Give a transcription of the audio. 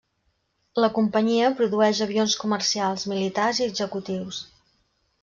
La companyia produeix avions comercials, militars i executius.